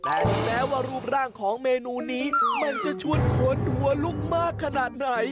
ถึงแม้ว่ารูปร่างของเมนูนี้มันจะชวนขนหัวลุกมากขนาดไหน